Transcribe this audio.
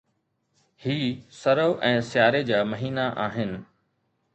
هي سرءُ ۽ سياري جا مهينا آهن.